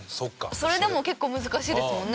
それでも結構難しいですもんね。